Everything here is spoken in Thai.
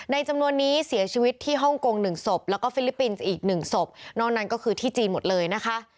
จำนวนนี้เสียชีวิตที่ฮ่องกงหนึ่งศพแล้วก็ฟิลิปปินส์อีกหนึ่งศพนอกนั้นก็คือที่จีนหมดเลยนะคะ